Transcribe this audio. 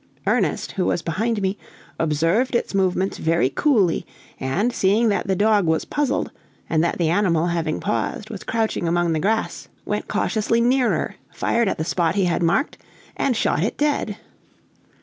Ernest, who was behind me, observed its movements very coolly, and seeing that the dog was puzzled, and that the animal, having paused, was crouching among the grass, went cautiously nearer, fired at the spot he had marked, and shot it dead.